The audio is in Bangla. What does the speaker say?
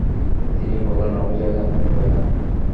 তিনি বললেন, আমি যা জানি তোমরা জান না।